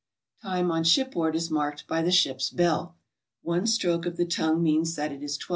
Time on shipboard is marked by the ship's bell. One 46 GOING ABROAD? stroke of the tongue means that it is 12.